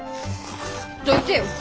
どいてよ！